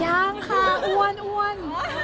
ยังค่ะอ้วน